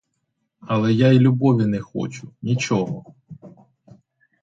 Але я й любові не хочу, нічого.